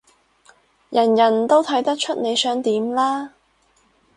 人人都睇得出你想點啦